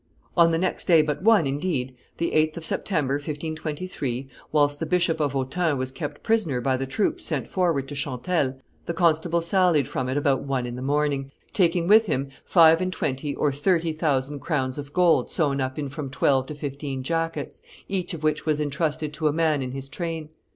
On the next day but one, indeed, the 8th of September, 1523, whilst the Bishop of Autun was kept prisoner by the troops sent forward to Chantelle, the constable sallied from it about one in the morning, taking with him five and twenty or thirty thousand crowns of gold sewn up in from twelve to fifteen jackets, each of which was intrusted to a man in his train.